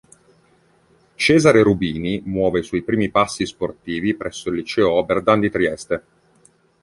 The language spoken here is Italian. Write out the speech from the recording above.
Cesare Rubini muove i suoi primi passi sportivi presso il liceo Oberdan di Trieste.